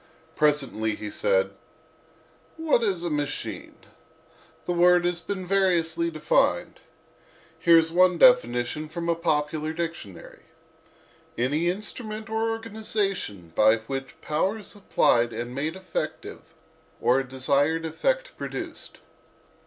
Presently he said: "What is a 'machine'? The word has been variously defined. Here is one definition from a popular dictionary: 'Any instrument or organization by which power is applied and made effective, or a desired effect produced.